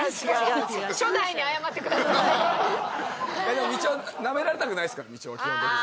でもみちおはなめられたくないですからみちおは基本的に。